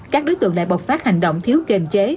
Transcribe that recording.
các đối tượng lại bộc phát hành động thiếu kềm chế